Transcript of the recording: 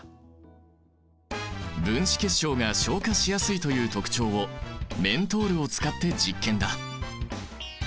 分子結晶が昇華しやすいという特徴をメントールを使って実験だ。